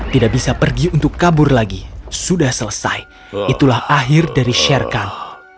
tidak bisa pergi untuk kabur lagi sudah selesai itulah akhir dari sherkan